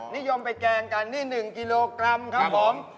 นิยมไปแกงกันนี่๑กิโลกรัมครับผม